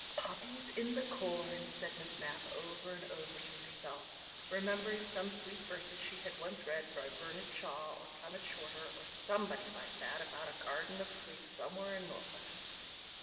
"Poppies in the corn," said Miss Mapp over and over to herself, remembering some sweet verses she had once read by Bernard Shaw or Clement Shorter or somebody like that about a garden of sleep somewhere in Norfolk.